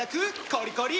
コリコリ！